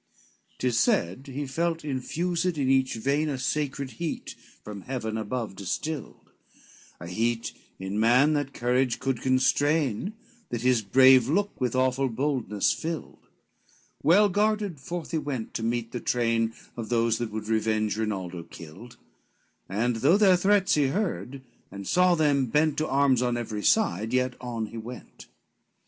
LXXVII Tis said he felt infused in each vein, A sacred heat from heaven above distilled, A heat in man that courage could constrain That his brave look with awful boldness filled. Well guarded forth he went to meet the train Of those that would revenge Rinaldo killed; And though their threats he heard, and saw them bent To arms on every side, yet on he went.